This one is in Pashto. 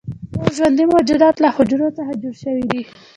ټول ژوندي موجودات له حجرو څخه جوړ شوي دي